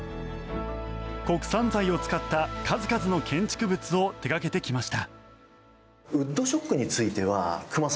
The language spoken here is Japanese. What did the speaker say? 国産材を使った数々の建築物を手掛けてきました。